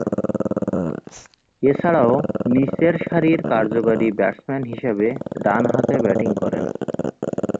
এছাড়াও, নিচের সারির কার্যকরী ব্যাটসম্যান হিসেবে ডানহাতে ব্যাটিং করেন।